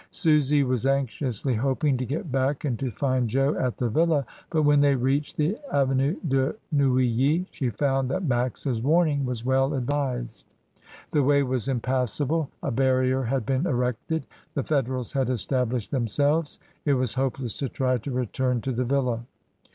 Susy was anxiously hoping to get back and to find Jo at the villa, but when they reached the Avenue de Neuilly, she found that Max's warning was well advised. The way was impassable, a barrier had been erected; the Federals had estab lished themselves; it was hopeless to try to return to the villa.